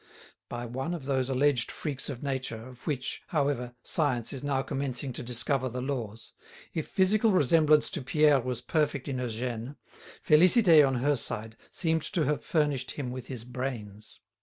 By one of those alleged freaks of nature, of which, however, science is now commencing to discover the laws, if physical resemblance to Pierre was perfect in Eugène, Félicité on her side seemed to have furnished him with his brains.